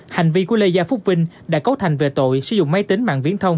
hành vi của lê gia phúc vinh đã cấu thành về tội sử dụng máy tính mạng viễn thông